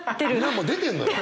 もう出てんのよ！